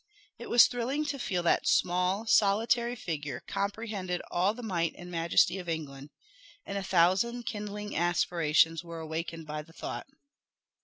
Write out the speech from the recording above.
It was thrilling to feel that that small, solitary figure comprehended all the might and majesty of England and a thousand kindling aspirations were awakened by the thought.